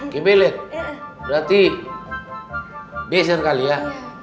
ke belet berarti beser kali ya